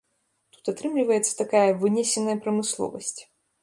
Тут атрымліваецца такая вынесеная прамысловасць.